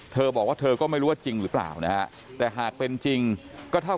เธอบอกว่าเธอก็ไม่รู้ว่าจริงหรือเปล่านะฮะแต่หากเป็นจริงก็เท่า